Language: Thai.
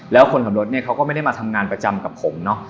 แล้วคนขับรถเนี่ยเขาก็ไม่ได้มาทำงานประจำกับผมเนอะ